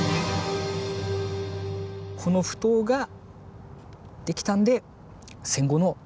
この埠頭ができたんで戦後の。